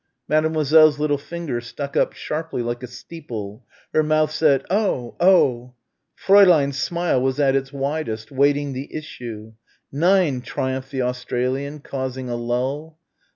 Mademoiselle's little finger stuck up sharply like a steeple, her mouth said, "Oh Oh " Fräulein's smile was at its widest, waiting the issue. "Nein," triumphed the Australian, causing a lull.